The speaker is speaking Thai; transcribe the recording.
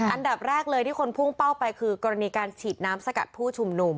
อันดับแรกเลยที่คนพุ่งเป้าไปคือกรณีการฉีดน้ำสกัดผู้ชุมนุม